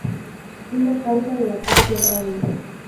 Una causa de la Patria Grande.